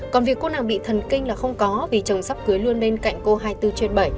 còn việc cô nào bị thần kinh là không có vì chồng sắp cưới luôn bên cạnh cô hai mươi bốn trên bảy